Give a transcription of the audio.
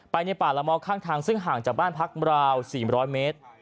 ในป่าละม้อข้างทางซึ่งห่างจากบ้านพักราว๔๐๐เมตร